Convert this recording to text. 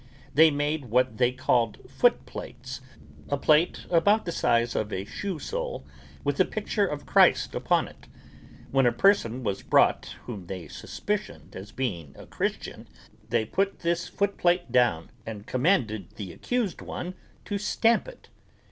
They made what they called footplates, a plate about the size of a shoe sole with a picture of Christ upon it. When a person was brought whom they suspicioned as being a Christian they put this footplate down and commanded the accused one to stamp it.